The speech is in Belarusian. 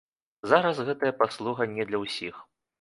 Зараз гэтая паслуга не для ўсіх.